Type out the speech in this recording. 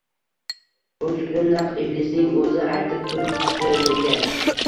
Bu fikrni naq iblisning o`zi aytib turdi menga